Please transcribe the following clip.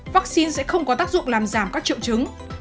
vắc xin sẽ không có tác dụng làm giảm các triệu chứng